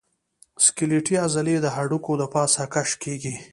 سکلیټي عضلې د هډوکو د پاسه کش کېږي.